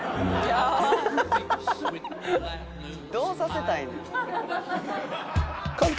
「どうさせたいねん」